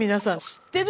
知ってる！